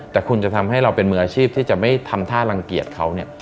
แต่คุณจะทำให้เราเป็นมืออาชีพที่จะไม่ทำท่ารังเกียจเขาเนี่ย